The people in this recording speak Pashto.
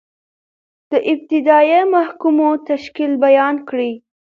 د ابتدائیه محاکمو تشکیل بیان کړئ؟